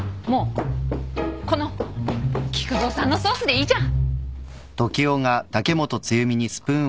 この菊蔵さんのソースでいいじゃん。